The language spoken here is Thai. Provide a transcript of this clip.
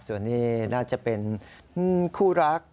ส่วนนี้น่าจะเป็นคู่รัก